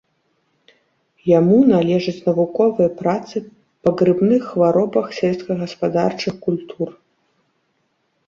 Яму належаць навуковыя працы па грыбных хваробах сельскагаспадарчых культур.